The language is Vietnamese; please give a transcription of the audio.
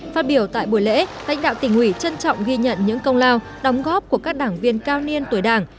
phát biểu tại buổi lễ tánh đạo tỉnh ủy trân trọng ghi nhận những công lao đóng góp của các đảng viên cao niên tuổi đảng